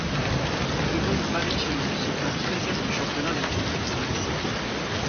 Rubens Barrichello se classe treizième du championnat des pilotes avec six points.